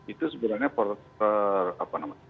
itu sebenarnya apa namanya